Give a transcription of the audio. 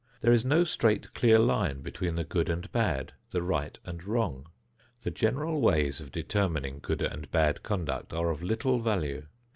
There is no straight clear line between the good and bad, the right and wrong. The general ways of determining good and bad conduct are of little value.